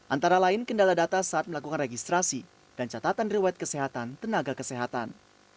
antara lain kendala data saat melakukan registrasi dan catatan riwayat kesehatan tenaga kesehatan